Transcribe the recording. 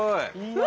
うわ！